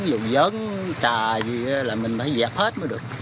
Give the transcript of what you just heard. dầu dớn trà gì đó là mình phải dẹp hết mới được